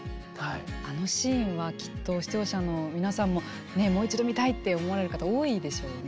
あのシーンはきっと視聴者の皆さんももう一度見たいと思われる方多いでしょうね。